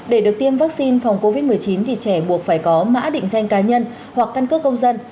để được tiêm vaccine phòng covid một mươi chín thì trẻ buộc phải có mã định danh cá nhân hoặc căn cước công dân